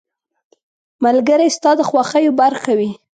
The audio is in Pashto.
• ملګری ستا د خوښیو برخه وي.